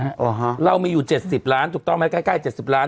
เหรอฮะเรามีอยู่เจ็ดสิบล้านถูกต้องไหมใกล้ใกล้เจ็ดสิบล้าน